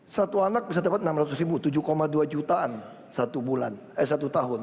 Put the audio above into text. satu anak bisa dapat rp enam ratus rp tujuh dua jutaan satu tahun